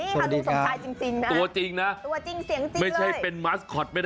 ที่ตลาดรังสิทธิ์ครับ